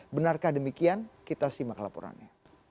benarkah demikian kita simak laporannya